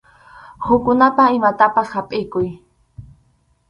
Hukkunapa imantapas hapʼikuy.